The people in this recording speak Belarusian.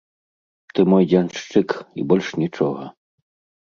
Ты мой дзяншчык, і больш нічога.